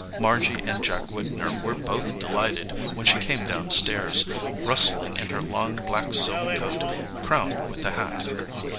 Margy and Jack Widner were both delighted when she came down stairs, rustling in her long black silk coat, crowned with the hat.